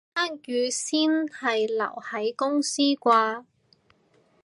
黑雨先係留喺公司啩